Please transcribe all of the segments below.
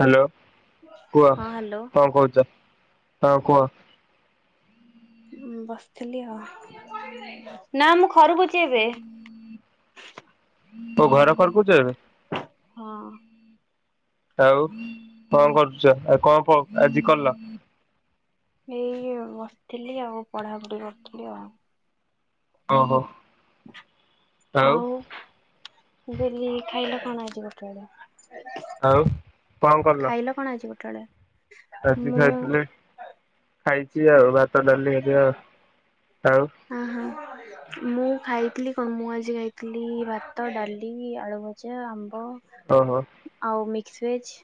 Hello କୁହ ହଁ hello କଣ କହୁଛ? ହଁ କୁହ। ବସିଥିଲି ଆଉ, ନା ମୁଁ ଖରକୁଛି ଏବେ। ଓ ଘର ଖରକୁଛ ଏବେ? ହଁ ଆଉ କଣ କରୁଛ? ଆଉ କଣ କଣ ଆଜି କଲ? ଏଇ ବସିଥିଲି ଆଉ ପଢାପଢି କରିୁଥିଲି ଆଉ। ଓହୋ ଆଉ ବେଲି ଖାଇଲେ କଣ ଆଜି ଗୋଟେବେଳେ? ଆଉ କଣ କଲ? କଣ ଆଜି ଗୋଟେବେଳେ? ଆଜି ଖାଇଥିଲି ଖାଇଛି ଆଉ ଭାତ, ଡାଲି, ଭଜା ଆଉ। ଅହଁ ମୁଁ ଖାଇଥିଲି କଣ ମୁଁ ଆଜି ଖାଇଥିଲି ଭାତ, ଡାଲି, ଆଳୁ ଭ ଭଜା ଆମ୍ବ ଓହୋ ଆଉ ମିକ୍ସ ଭେଜ।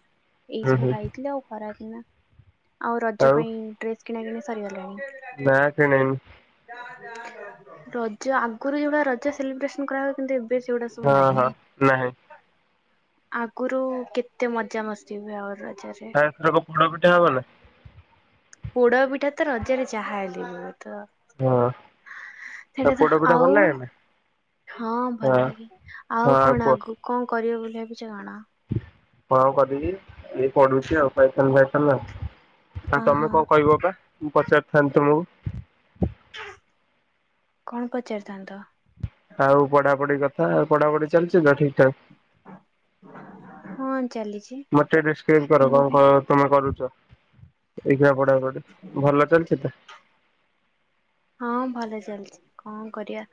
ଏଇ ହୁଁ ସବୁ ହୁଁ ଖାଇଥିଲି ଆଉ ଖରା ଦିନ ଆଉ ରଜ ପାଇଁ ଡ୍ରେସ କିଣା କିଣି ସରିଗଲାଣି। ନା କିଣିନି। ରଜ ଆଗରୁ ଯୋଉ ଭଳିଆ ରଜ ସେଲିବ୍ରେସନ କରାହୁଏ କିନ୍ତୁ ଏବେ ସେଗୁଡା ସବୁ ହଁ ନାହିଁ। ହଁ ନାହିଁ ଆଗରୁ କେତେ ମଜା ମସ୍ତି ହୁଏ ଆଉ ରଜରେ। ଆଉ ଏଥରକ ପୋଡ ପିଠା ହବନି? ପୋଡ ପିଠାତ ରଜରେ ଯାହା ହେଲି ବି ହେଇଥିବ। ହଁ ଆଉ ସେଇଟା ତ ପୋଡ ପିଠା ଭଲ ଆଉ ଲାଗେ ନା ହଁ ଭଲ ଲାଗେ ଆଉ କଣ ଆଗକୁ କଣ କରିବ ବୋଲି ଭାବିଛ କଣ? ହଁ କରିକି ଏଇ ପଢ଼ୁଛି ଆଉ ପାଇଥନ୍ ଫାଇଥନ ଆଉ। ଆଉ ତମେ ଓହୋ କଣ କହିବ ବା, ମୁଁ ପଚାରିଥାନ୍ତି ତମକୁ? କଣ ପଚାରିଥାନ୍ତ? ଆଉ ପଢାପଢି କଥା, ଆଉ ପଢାପଢି ଚାଲିଚି ତ ଠିକ ଠାକ? ହଁ ଚାଲିଛି ମତେ ଡେସ୍କ୍ରାଇବ କର ମୁଁ କଣ ବି କଣ ତମେ କରୁଛ, [unintelligible] ପଢା ପଢି ଭଲ ଚାଲିଛି ତ? ହଁ ଭଲ ଚାଲିଛି କଣ କରିବା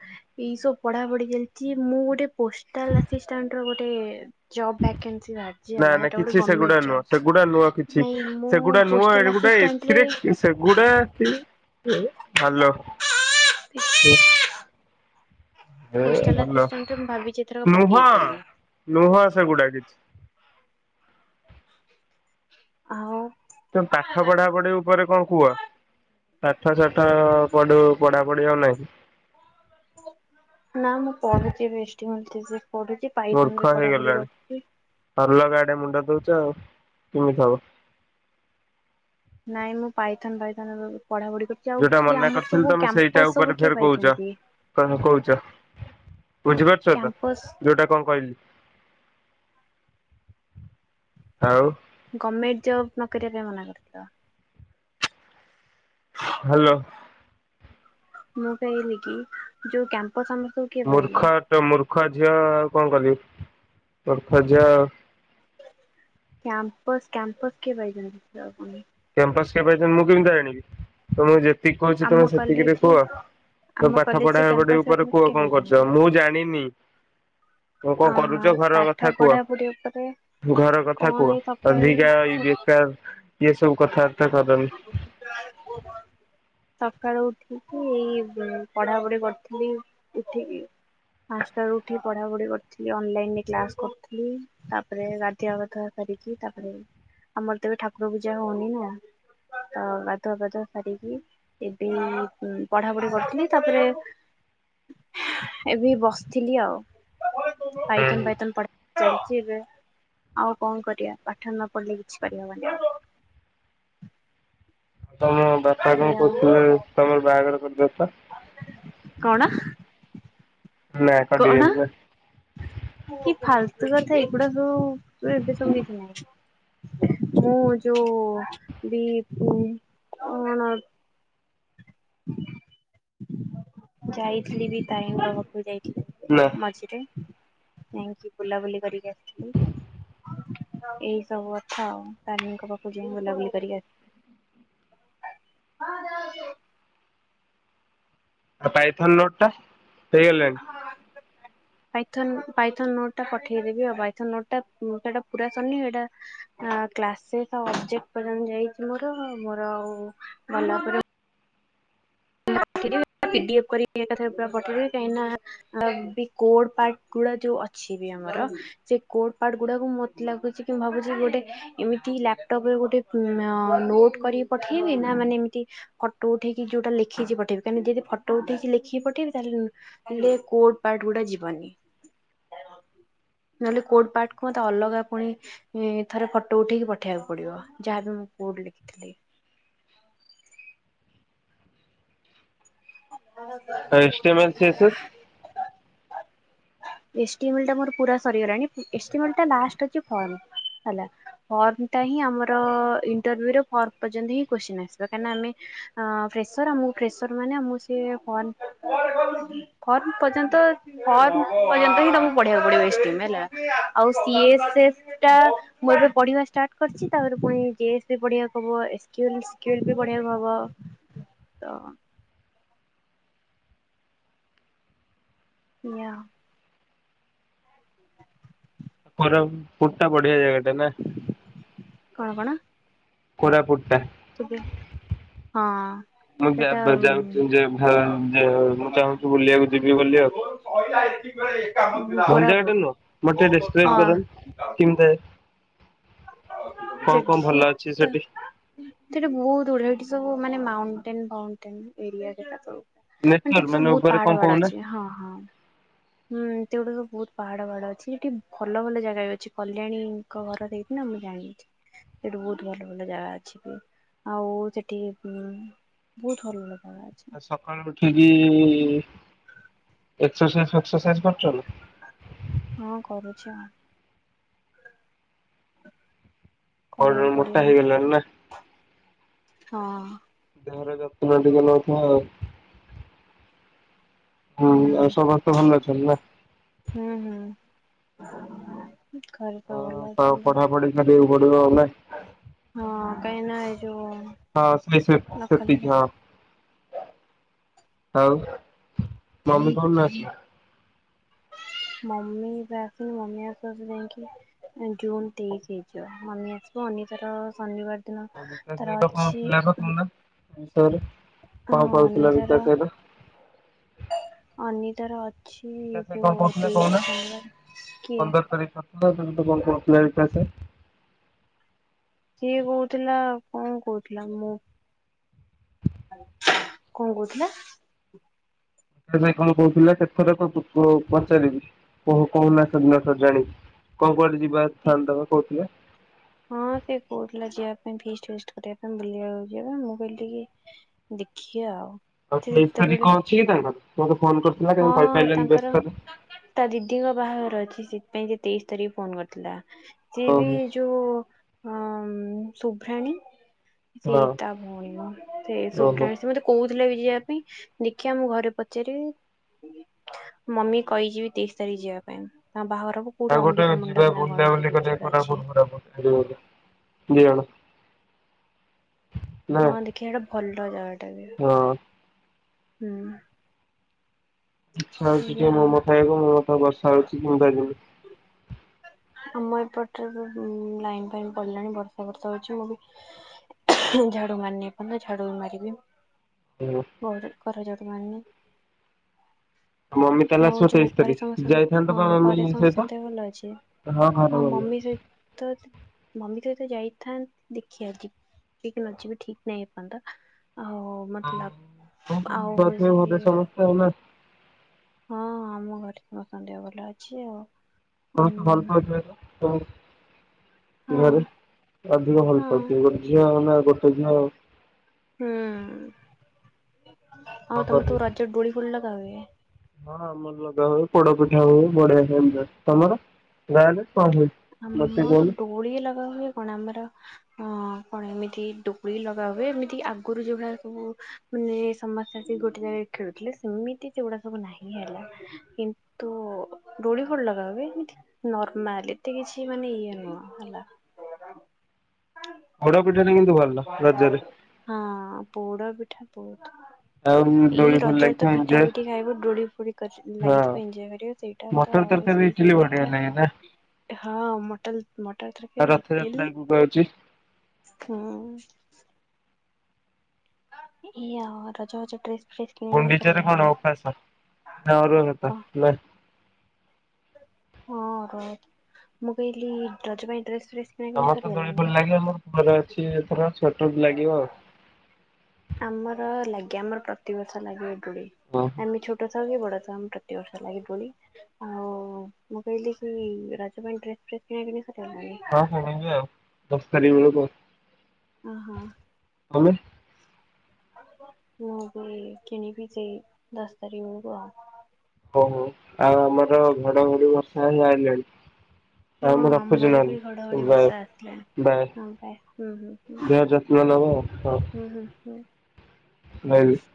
ଏଇସବୁ ପଢାପଢି ଚାଲିଛି ମୁଁ ଗୋଟେ ପୋଷ୍ଟାଲ ଆସିଷ୍ଟାଣ୍ଟର ଗୋଟେ ଜବ ଭ୍ୟାକାନ୍ସି ବାହାରିଚି ନା ହେଲା ନା ସେଇଟା ଗୋଟେ କିଛି ସେଗୁଡା ଗମେଣ୍ଟ ନୁହଁ ଜବ୍ ସେଗୁଡା ନୁହଁ କିଛି ନାଇଁ ମୁଁ ସେଗୁଡା ନୁହଁ ପୋଷ୍ଟାଲ ଏଗୁଡା ଆସିଷ୍ଟାଣ୍ଟ ରେ ଏଥିରେ ସେଗୁଡା ହ୍ୟାଲୋ। ଏ ପୋଷ୍ଟାଲ ଭଲ ଆସିଷ୍ଟାଣ୍ଟରେ ମୁଁ ଭାବିଛି ଏଥରକ ନୁହଁ ପକେଇବି ବୋଲି। ନୁହଁ ସେଗୁଡା କିଛି। ଆଉ ତମେ ପାଠ ପଢାପଢି ଉପରେ କଣ କୁହ? ପାଠ ସାଠ ପଢୁ ପଢାପଢି ଆଉ ନାହିଁ। ନା ମୁଁ ପଢୁଛି [unintelligible] ପଢୁଛି ପାଇଥନ ମୂର୍ଖ ବି ପଢାପଢି ହେଇଗଲାଣି କରୁଛି ଅଲଗା ଆଡେ ମୁଣ୍ଡ ଦଉଛ ଆଉ କେମିତି ହବ। ନାଇଁ ମୁଁ ପାଇଥନ୍ ପାଇଥନ୍ ଏବେ ପଢାପଢି କରି ଯୋଉଟା ମନା କରିଥିଲି ତମେ ସେଇଟା ଉପରେ କିଏ ଫେର କହୁଛ। ପାଇଛନ୍ତି? କଣ କହୁଛ? ବୁଝିପାରୁଛ ତ କ୍ୟାମ୍ପସ ଯୋଉଟା କଣ କହିଲି? ଆଉ ଗମେଣ୍ଟ ଜବ୍ ନକରିବା ପାଇଁ ମନା କରିଥିଲ। ହ୍ୟାଲୋ। ମୁଁ କହିଲି କି ଯୋଉ କ୍ୟାମ୍ପସ ଆମେ ସବୁ କିଏ ପାଇଲେ ମୂର୍ଖ ତ ମୂର୍ଖ ଝିଅ ଆଉ କଣ କରିବି ମୂର୍ଖ ଝିଅ ଆଉ କ୍ୟାମ୍ପସ୍ କ୍ୟାମ୍ପସ୍ କିଏ ପାଇଛନ୍ତି ଜବକୁ ନେଇକି? କ୍ୟାମ୍ପସ କିଏ ପାଇଛନ୍ତି ମୁଁ କେମିତି ଜାଣିବି ତମକୁ ଯେତିକି କହୁଛି ଆମ ତମେ ସେତିକିରେ କଲେଜରେ କୁହ। ତମେ ଆମ ପାଠ କଲେଜରେ ପଢାପଢି କ୍ୟାମ୍ପସ ଉପରେ ଫ୍ୟାମ୍ପସ କୁହ କିଏ କଣ କରୁଛ ପାଇଛନ୍ତି? ମୁଁ ଜାଣିନି। କଣ କଣ ଅହଁ କରୁଛ ଘର ପାଠ କଥା କୁହ? ପଢାପଢି ଉପରେ ଘର କଥା କଣ ଏଇ କୁହ ଅଧିକା ଇଏ ସକାଳୁ ବେକାର ଇଏ ସବୁ କଥାବାର୍ତ୍ତା କରନି। ସକାଳୁ ଉଠିକି ଏଇ ପଢାପଢି କରୁଥିଲି ଉଠିକି। ପାଞ୍ଚଟାରୁ ଉଠିକି ପଢ଼ାପଢ଼ି କରୁଥିଲି ଅନଲାଇନରେ କ୍ଲାସ୍ କରୁଥିଲି। ତାପରେ ଗାଧିଆପାଧୁଆ ସାରିକି ତାପରେ ଆମର ତ ଏବେ ଠାକୁର ପୂଜା ହଉନି ନା ତ ଗାଧୁଆ ପାଧୁଆ ସାରିକି ଏବେ ଏଇ ଉମ୍ ପଢାପଢି କରୁଥିଲି ତାପରେ ଏବେ ବସିଥିଲି ଆଉ ପାଇଥନ ହୁଁ ପାଇଥନ ପଢ଼ା ଚାଲିଛି ଏବେ ଆଉ କଣ କରିଆ ପାଠ ନ ପଢିଲେ କିଛି କରିହବନି। ମୋ ବାପା କଣ ଏଇଆ ଆଉ କହୁଥିଲେ ତମର ବାହାଘର କରିଦେବେ ପା। କଣ? ନାଇଁ କଣ? କଟିଗଲା ବା। କି ଫାଲତୁ କଥା ଏଗୁଡା ସବୁ ଏବେ ସବୁ କିଛି ନାହିଁ। ମୁଁ ଯୋଉ ଦି [unintelligible] ଯାଇଥିଲି ବି ତାରିଣୀଙ୍କ ପାଖକୁ ଯାଇଥିଲି ନା ମଝିରେ ଯାଇଁକି ବୁଲାବୁଲି କରିକି ଆସିଥିଲି। ଏଇ ସବୁ କଥା ଆଉ ତାରିଣୀଙ୍କ ପାଖକୁ ଯାଇଁ ବୁଲାବୁଲି କରିକି ଆସି ଆସିଥିଲି। ଆଉ ପାଇଥନ ନୋଟଟା ହେଇଗଲାଣି। ହଁ। ପାଇଥନ ପାଇଥନ ନୋଟ ଟା ପଠେଇଦବି ଆଉ ପାଇଥ ନୋଟ ଟା ସେଟା ପୁରା ସରିନି ହେଟା ଆଁ କ୍ଲାସ ସହିତ ଅବଜେକ୍ଟ ପର୍ଯ୍ୟନ୍ତ ଯାଇଛି ମୋର ମୋର ଆଉ ଭଲ ରାତିରେ ପି ଡି ଏଫେ କରିକି ଏକାଥରେ ପୁରା ପଠେଇବି କାହିଁକି ନା ଆଉ ପି କୋର୍ଡ ପାର୍ଟ ଗୁଡା ଯୋଉ ଅଛି ବି ଆମର ସେ କୋର୍ଡ ପାାର୍ଟ ଗୁଡାକୁ ମୋତେ ଲାଗୁଚି କି ମୁଁ ଭାବୁଚିଗୋଟେ ଏମିତି ଲାପଟପ୍ ରେ ଅଁ ଗୋଟେ ନୋଟ୍ କରିକି ପଠେଇବି ନା ମାନେ ଏମିତି ଫଟୋ ଉଠେଇକି ଯୋଉଟା ଲେଖ ଲେଖିକି ପଠେଇବି। ଏମିତି ଯଦି ଫଟୋ ଉଠେଇକି ଲେଖିକି ପଠେଇବି ତାହେଲେ ହେଲେ କୋର୍ଟ ପାର୍ଟ ଗୁଡା ଯିବନି। ନହେଲେ କୋର୍ଟ ପାର୍ଟ କୁ ମତେ ଅଲଗା ପୁଣି ଏଥର ଫଟୋ ଉଠେଇକି ପଠେଇବାକୁ ପଡିବ। ଯାହାବି ମୁଁ କୋର୍ଡରେ ଲେଖିଥିଲି। ହଁ। ଆଉ ଏଷ୍ଟି ଏମ୍ ଆଣ୍ଡେ ଚେଞ୍ଜେସ୍। ଏଷ୍ଟିଏମଲ ମୋର ସରିଗଲାଣି ଏଷ୍ଟିଏମ୍ ଟାଲାଷ୍ଟହୋଉଚି ଫର୍ମ। ହେଲା। ଫର୍ମ ଟା ହିଁ ଆମର ଇଣ୍ଟରଭିୟୂରେ ଫର୍ମ ପର୍ଯ୍ୟନ୍ତ ହଁ କୋଶ୍ଚିନ ଆସିବ କାଇଁ ନାଆମେ ଆ ପ୍ରେସର ଆମକୁ ପ୍ରେସର ମାନେ ଆମୁସ୍ ସେ ଫର୍ମ ଫର୍ମ ପର୍ଯ୍ୟନ୍ତ ଫର୍ମ ପର୍ଯ୍ୟନ୍ତ ହିଁ ତମକୁ ପଢିବାକୁ ପଡିବ ଏସ୍ ଟ୍ରିମହେଲା। ଆଉ ସିଏ ବୋଧେଟା ମୁଁ ଏବେ ପଢିବା ଷ୍ଟାର୍ଟ କରିଚି। ତାପରେ ପୁଣିଗେଷ୍ଟ ପଢିବାସବୁଏକ୍ଚୁଆଲିସ୍ କିମିତି ପଢିବାକୁ ହବ ତ ନିଅ। ବରମ୍ ଫୁରୁଟା ବଢିଆ ଜାଗାଟେ ନା? କଣ କଣ? କୋରାପୁଟଟା। ଚିକେହଁ। ମୁଁ ଯାଉଚି କୋରାପୁଟ ହଁ। ବୁଲିବାକୁ ଯିବି ବୋଲି ଆଉ। ସେଠି ତ ସେଠି ଭଲ ଜାଗାଟେ ନୁହଁ ମତେ ଟ ଡେସସ୍କ୍ରାଇବ କଲନି କେମିତିଆ ସେଠି ଅଛି ତ ସେଠି ସେଠି ବହୁତ୍ ଗୁଡେ ଏଠି ସବୁ ମାନେ ମାଉଣ୍ଟେନଫାଉଣ୍ଟେନ ଏରିଆ ସେଟା ସବୁ। ନେଚର ଆଣ୍ଟିକ୍ ସବୁ ମାନେ ବହୁତ୍ ଉପରେ କଣ ପାହାଡ ପାହାଡ କହୁନା। ଅଛି। ହଁ ହଁ। ହୁଁ ଏତଗୁଡାିକ ବହୁତ୍ ପାହାଡ ଫାହାଡ ଅଛି। ସେଠି ଭଲ ଭଲ ଜାଗା ବି ଅଛି। କଲ୍ୟାଣୀଙ୍କ ଘର ଦେଇ ନା ମୁଁ ଜାଣିଚି। ସେଠି ବହୁତ୍ ଭଲ ଭଲ ଜାଗା ଅଛ ବି। ଆଉ ସେଠି ଉଁ ବହୁତ୍ ଭଲ ଲାଗା ଅଛି। ଆଉ ସକାଳୁ ଉଠିକି ଏକ୍ସରସାଇଜ୍ ଫେକ୍ସରସାଇଜ୍ କରୁଚନା? ହଁ କରୁଚି ଆଉ। ବଡ କରିବାକୁ ମୋଟା ପଡିବ। ହେଇଗଲାଣି ନା ହଁ। ଦେହର ଯତ୍ନ ଟିକିଏ ନୋଉ ଥୁବ ଆଉ। ହୁଁ ଆଉ ସମସ୍ତେ ଭଲ ଅଛନ୍ତି ନା? ହୁଁ ହୁଁ। ଘରେ ସବୁ ଭଲ ହଁ ଅଛନ୍ତି। ପଢା ପଢି ଖାଲି ପଡିବ ଏବେ। ହଁ କାହିଁକି ନା ଏଇ ଯୋଉ ହଁ ସେଇସିପ ନକଲେ ସେତିକି ହଁ। ଆଉ ମମି କରୁନାହାନ୍ତି? ମମି ଯାସୁ ମମି ଆସୁଆସୁ ଯାଇଁକି ଜୁନ ତେଇଶି ହେଇଯିବ ମମି ଆସିବ ଅନିଶା ର ଶନିବାର ଦିନ ତାର ଅଛି କଣ ହଁ କହୁଥିଲା ଅନିତାର ବିକାଶ ସହିତ? ଅନିତାର ଅଛି ଯୋଉ ତେଇଶିଦ ବିକାଶ ଭାଇ କଣ ବ କହୁଥିଲା [unintelligible] କହୁନା ର୍ଷ ହେଲା ପନ୍ଦର ତାରିଖ ସାତ ଟା ତେଣୁ ତ କଣ କଣ ଅସୁବିଧା [unintelligible] ସିଏ କହୁଥିଲା କଣ କହୁଥିଲା ମୁଁ କଣ କହୁଥିଲା? [unintelligible] କଣ କହୁଥିଲା ଏଥରକ କୁକୁ ପଚାରିବି। କହୁ କହୁଲା ସେଦିନଠୁ ଜାଣି। କଣ କୁଆଡେ ଯିବା ଥାନ୍ତ କହୁଥିଲେ? ହଁ ସେ କହୁଥିଲା ଯିବା ପାଇଁ ଫିଷ୍ଟ ଫିଷ୍ଟ୍ କରିବା ପାଇଁ ବୁଲିବାକୁ ଯିବା। ମୁଁ କହିଲି ଟିକେ ଦେଖିଆ ଆଉ। ଆଉ ସେ ତେଇଶ ତାରିଖ ଯେତେବେଳେ କଣ ଅଛି କି ତାଙ୍କର? ମୋତେ ଫୋନ୍ କରିଥିଲା କାଇଁ ହଁ କହିପାଇଲାନି ତାଙ୍କର ବ୍ୟସ୍ତରେ। ତା ଦିଦିଙ୍କ ବାହାଘର ଅଛି ସେଇଥିପାଇଁ ସେ ତେଇଶ ତାରିଖ ଫୋନ୍ କରିଥିଲା। ସିଏ ବି ଓହୋ ଯୋଉ ହଁ ଉଁ, ସୁଭ୍ରାଣୀ ହଁ ସେଇ ତା ଭଉଣୀ ମୋ। ସେ ଓହୋ ସୁଭ୍ରାଣୀ ସେ ମୋତେ କହୁଥିଲା ବି ଯିବା ପାଇଁ। ଦେଖିଆ ମୁଁ ଘରେ ପଚାରିବି। ମମି କହିଚି ବି ତେଇଶ ତାରିଖ ଯିବା ପାଇଁ ତାଙ୍କ ବାହାଘରକୁ। ତା କୋଉଠି ଗୋଟେ ଅମ୍ବିକା ଯିବା ମଣ୍ଡପ ନା କଣ ବୁଲା ବୁଲି କୋଉଠି ଅଛି କରିବା ଗୋଟେ ଅଛି। କୋରାପୁଟ ଫୋରାପୁଟ। ଖାଲି ମଜା ଦି ଜଣ ନା ହଁ ଦେଖିଆ ସେଟା ଭଲ ଜାଗା ଟା ବି ହଁ ହୁଁ। ଇଚ୍ଛା ହଉଛି ଟିକେ ଏଇଆ ଆଉ ମୋମୋ ଖାଇବାକୁ। ମୋମୋ ତ ବର୍ଷା ହଉଛି [unintelligible] ଆମ ଏପଟରେ ତ ଉଁ, ଲାଇନ୍ ଫାଇନ୍ ପଲାଣି ବର୍ଷା ବର୍ଷା ହଉଛି ମୁଁ ବି ଝାଡୁ ମାରିନି ଏପନ୍ତ ଝାଡୁ ବି ମାରିବି। [unintelligible] ଘରେ ଖରା ଝାଡୁ ମାରନି। ମମି ତାହେଲେ ଆଉ ଆସିବ ଯୋଉ ତେଇଶ ଘରେ ତାରିଖ। ସମସ୍ତଙ୍କ ଯାଇଥାନ୍ତ ହଁ ବା ଘରେ ମମି ସହିତ? ସମସ୍ତଙ୍କ ଦେହ ଭଲ ଅଛି? ଘରେ ହଁ ଭଲ ମମି ଅଛି। ସହିତ ତ ମମି ସହିତ ଯାଇଥାନ୍ତ ଦେଖିଆ ଯି ଠିକ ନଯିବି ଠିକ ନାହିଁ ଏପନ୍ତ ଆଉ ମୋତେ ଲା-ଆଉ ଯିବି ତୋମେ ହଁ ଆମ ଘରେ ସମସ୍ତଙ୍କ ଦେହ ଭଲ ଅଛି ଆଉ। ସମସ୍ତେ ଭଲ ଉଁ ପାଉଥିବେ ତ ତୋମକୁ ହଁ ଘରେ? ଅଧିକ ଭଲ ହଁ ପାଉଥିବେ ଗୋଟେ ଝିଅ ନା ଗୋଟେ ଝିଅ। ହୁଁ, କଣ ଆଉ ତୋମେ କରିବେ। ତୁ ରଜରେ ଦୋଳି ଫୋଳି ଲଗା ହୁଏ? ହଁ ଆମର ଲଗାହୁଏ। ପୋଡ ପିଠା ହୁଏ। ବଢିଆ ସେ ଏନଞ୍ଜୟ। ତୋମର ଗାଁ ରେ କଣ ହୁଏ? ମତେ ଆମର କହୁନୁ ଡୋଳି ଲଗା ହୁଏ କଣ ଆମର ଅଁ, କଣ ଏମିତି ଡୁଳି ଲଗା ହୁଏ। ଏମିତି ଆଗରୁ ଯୋଉଭଳିଆ ସବୁ ମାନେ ସମସ୍ତେ ଆସି ଗୋଟେ ଜାଗାରେ ଖେଳୁଥିଲେ ସେମିତି ସେଗୁଡ଼ା ସବୁ ନାହିଁ ହେଲା। କିନ୍ତୁ ଦୋଳି ଫୋଳି ଲଗା ହୁଏ ଏମିତି ନର୍ମାଲି। ଏତେ କିଛି ମାନେ ଇଏ ନୁହଁ ହେଲା। ପୋଡପିଠା [unintelligible] ଭଲ୍ ହଁ ପୁଡାପିଠା ବହୁତ। ଆଉ ଏଇ ଦୋଳି ଫୋଳି ରଜରେ ତ ଲାଗିଥିବ ପିଠା ଏଞ୍ଜୟ ପିଠି ଖାଇବୁ ଡୋଳି ଫୁଳି କର ହଁ। ଲାଗଥିବ ଏନଜୟ କରିବ ସେଇ ତ ମଟର ତରକାରୀ ଇଟଲି ବଢିଆ ଲାଗେ ନା? ଏ ହଁ ମଟଲ ମଟର ତରକାରୀ ଇଟିଲି ମୁଁ ଆଜି ହଁ। ଇ, ଆଅ, ରଜ ଫଜ ଡ୍ରେସ୍ ଗୁଣ୍ଡିଚାରେ କଣ ଓପାସ ନା ଅରୁଆ ଭାତ କଣ ନା ହଁ ଅରୁଆ। ମୁଁ କହିଲି ରଜପାଇଁ ଡ୍ରେସ୍ ଫ୍ରେସ୍ କିଣା କିଣି ଆମର ତ ଦୋଳି ସରିଗଲାଣି ଫୋଳି ଲାଗିବ ଆମର ପୁଅ ଅଛି ଏଥର ଛୋଟଟେ ଲାଗିବ ଆଉ। ଆମର ଲାଗେ ଆମର ପ୍ରତିିବର୍ଷ ଲାଗେ ଏ ଦୋଳି ଓହୋ ଆମେ ଛୋ ଛୋଟ ଥାଉ ଆମର ପ୍ରତି ବର୍ଷ ଲାଗେ ଦୋଳି। ଆଉ ମୁଁ କହିଲି କି ରଜ ପାଇଁ ଡ୍ରେସ ଫ୍ରେସ କିଣା କିଣି ସରିଲାଣି? ହଁ ସେମିତି ଦଶ ତାରିଖ ବେଳକୁ। ଓହୋ। ଆମେ। ମୁଁ ବି କିଣିବି ଯେ ଦଶ ତାରିଖ ବେଳକୁ ଆଉ। ହୋଉ ହୋଉ ଆଉ ଆମର ଘଡଘଡି ବର୍ଷା ହେରିକା ଆଇଲାଣି। ହଁ ଆଉ ମୁଁ ରଖୁଛି ଆମର ବି ଘଡଘଡି ନହେଲେ ବାଏ ବର୍ଷା ଆସିଲାଣି ହଁ ବାଏ ହୁଁ ହୁଁ। [unintelligible] ନେବ ହଉ। ହୁଁ ହୁଁ ହୁଁ। [unintelligible]